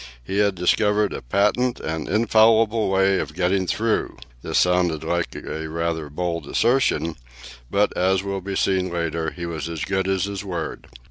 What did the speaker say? He had discovered a patent and infallible way of getting through! This sounded like a rather bold assertion, but, as will be seen later, he was as good as his word.